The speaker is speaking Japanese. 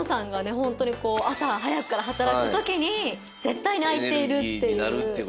ホントに朝早くから働くときに絶対に開いているっていう。